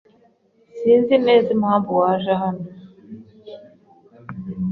Sinzi neza impamvu waje hano.